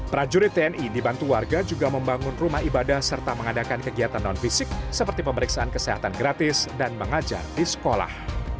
prajurit tni dibantu warga juga membangun rumah ibadah serta mengadakan kegiatan non fisik seperti pemeriksaan kesehatan gratis dan mengajar di sekolah